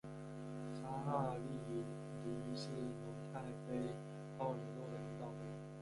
扎纳利尼是蒙泰菲奥里诺的领导人。